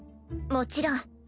もちろん。